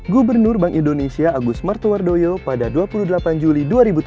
gubernur bank indonesia agus martowardoyo pada dua puluh delapan juli dua ribu tujuh belas